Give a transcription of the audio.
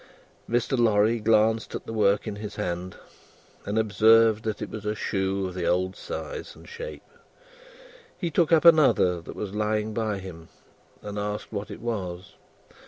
Mr. Lorry glanced at the work in his hand, and observed that it was a shoe of the old size and shape. He took up another that was lying by him, and asked what it was.